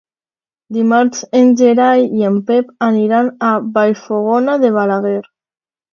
Dimarts en Gerai i en Pep aniran a Vallfogona de Balaguer.